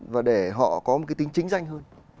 và để họ có một cái tính chính danh hơn